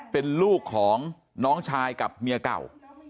เป็นลูกของน้องชายกับเมียเก่า